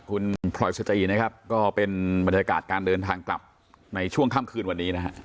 ก็เป็นบรรยากาศการเดินทางกลับในช่วงค่ำคืนวันนี้นะครับ